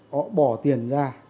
họ bỏ tiền ra